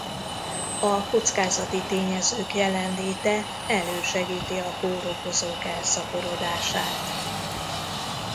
A kockázati tényezők jelenléte elősegíti a kórokozók elszaporodását.